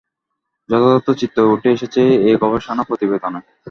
যথার্থ চিত্রই উঠে এসেছে এই গবেষণা প্রতিবেদনে।